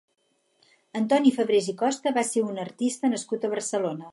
Antoni Fabrés i Costa va ser un artista nascut a Barcelona.